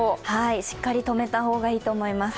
しっかりとめた方がいいと思います。